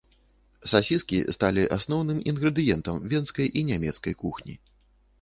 Сасіскі сталі асноўным інгрэдыентам венскай і нямецкай кухні.